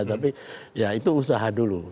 tapi ya itu usaha dulu